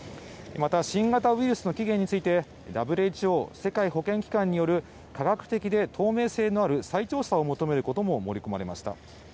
また、新型ウイルスの定義についてＷＨＯ・世界保健機関による科学的で透明性のある再調査を求めることも盛り込まれました。